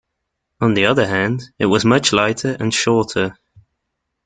On the other hand, it was much lighter and shorter.